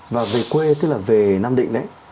và về quê tức là về nam định ấy